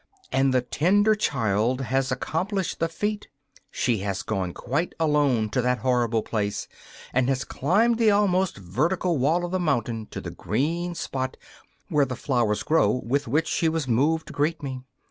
And the tender child has accomplished the feat! She has gone quite alone to that horrible place, and has climbed the almost vertical wall of the mountain to the green spot where the flowers grow with which she was moved to greet me.